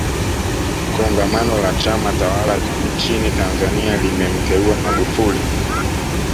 kongamano la chama tawala nchini tanzania lilimteua magufuli